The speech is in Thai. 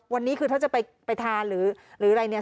วันนี้คือถ้าจะไปทานหรืออะไรเนี่ย